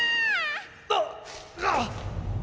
あっああっ！